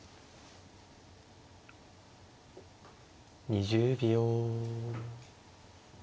２０秒。